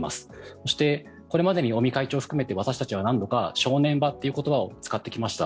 そしてこれまでに尾身会長を含めて何度か正念場という言葉を使ってきました。